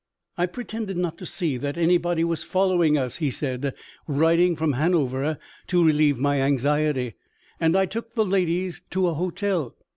'I pretended not to see that anybody was following us,' he said (writing from Hanover to relieve my anxiety); 'and I took the ladies to a hotel.